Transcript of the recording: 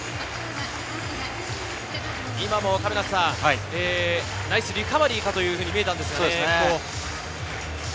今もナイスリカバリーかというふうに見えたんですけどね。